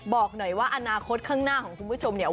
บอกหน่อยว่าอนาคตข้างหน้าของคุณผู้ชมเนี่ย